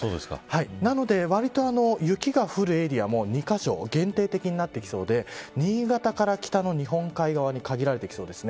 なので、わりと雪が降るエリアも２カ所、限定的になってきそうで新潟から北の日本海側に限られてきそうです。